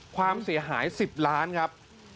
ความเสียหาย๑๐ล้านครับ